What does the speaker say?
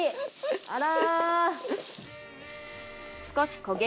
あら！